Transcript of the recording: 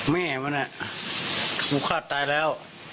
แม่มันกูฆ่าตายแล้ว